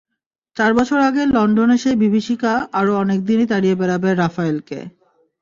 চার বছর আগে লন্ডনে সেই বিভীষিকা আরও অনেক দিনই তাড়িয়ে বেড়াবে রাফায়েলাকে।